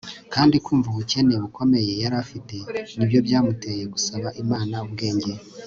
kandi kumva ubukene bukomeye yari afite ni byo byamuteye gusaba imana ubwenge